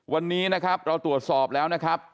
วันนี้นะครับเราตรวจสอบแล้วนะครับ